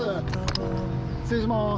失礼します。